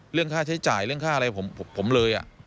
เรื่องค่าใช้จ่ายเรื่องค่าอะไรผมเลย